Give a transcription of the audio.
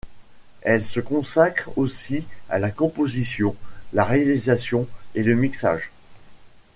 Elle se consacre aussi à la composition, la réalisation et le mixage.